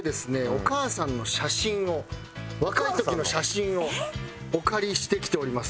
お母さんの写真を若い時の写真をお借りしてきております。